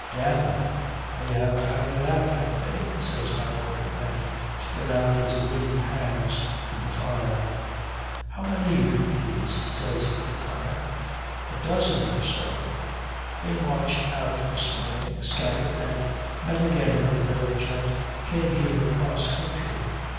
"Damn them, they have found it out, have they?" says my lord, and spread out his lean hands to the fire. "How many, if you please?" says O'Connor. "A dozen or so. They marched out this morning, scattered, and met again in the village and came here across country.